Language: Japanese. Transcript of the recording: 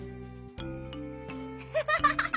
ハハハハハ！